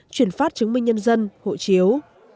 truyền phát chứng minh nhân dân hộ chiếu